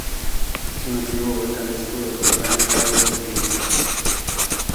Es un antiguo volcán de escudo con grandes prados alpinos.